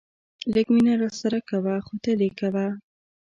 لږ مینه راسره کوه خو تل یې کوه.